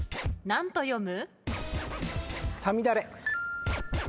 何と読む？